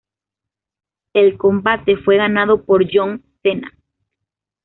El combate fue ganado por John Cena.